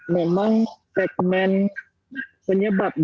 memang segmen penyebabnya